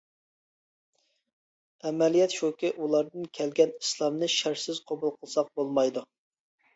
ئەمەلىيەت شۇكى، ئۇلاردىن كەلگەن ئىسلامنى شەرتسىز قوبۇل قىلساق بولمايدۇ.